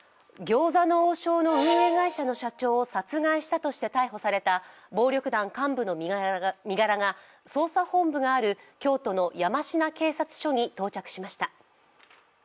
餃子の王将の運営会社の社長を殺害したとして逮捕された暴力団幹部の身柄が捜査本部がある京都の山科警察署に到着しました。